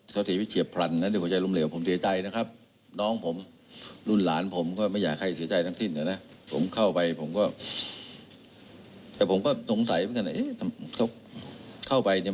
ใครจะตายเสียชีวิตหรอกครับ